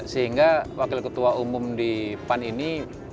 sehingga wakil ketua umum di pan ini